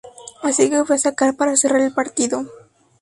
Así que fui a sacar para cerrar el partido"